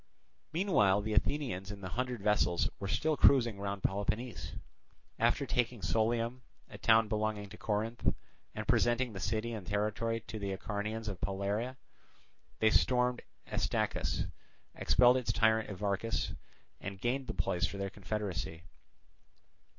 Meanwhile the Athenians in the hundred vessels were still cruising round Peloponnese. After taking Sollium, a town belonging to Corinth, and presenting the city and territory to the Acarnanians of Palaira, they stormed Astacus, expelled its tyrant Evarchus, and gained the place for their confederacy.